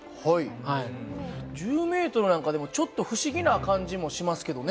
１０ｍなんかでもちょっと不思議な感じもしますけどね。